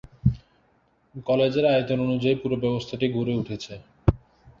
কলেজের আয়তন অনুযায়ী পুরো ব্যবস্থাটি গড়ে উঠেছে।